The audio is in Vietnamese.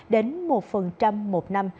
đến một một năm